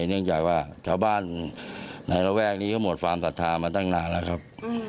เนื่องจากว่าชาวบ้านในระแวกนี้เขาหมดความศรัทธามาตั้งนานแล้วครับ